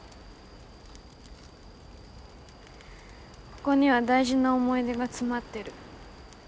ここには大事な思い出が詰まってる。